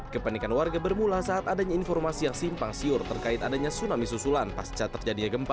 kepanikan warga bermula saat adanya informasi yang simpang siur terkait adanya tsunami susulan pasca terjadinya gempa